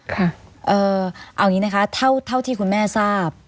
ค่ะเอ่อเอาอย่างงี้นะคะเท่าเท่าที่คุณแม่ทราบ